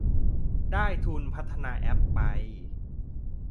ได้ทุนพัฒนาแอปไป